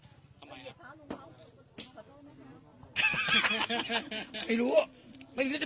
อย่าถามสาวที่รักดี